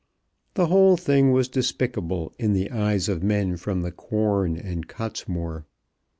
The whole thing was despicable in the eyes of men from the Quorn and Cottesmore.